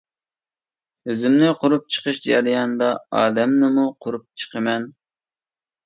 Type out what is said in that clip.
ئۆزۈمنى قۇرۇپ چىقىش جەريانىدا ئادەمنىمۇ قۇرۇپ چىقىمەن.